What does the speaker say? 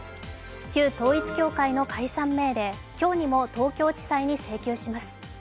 旧統一教会の解散命令、今日にも東京地裁に請求します。